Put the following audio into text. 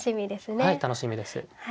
はい楽しみです。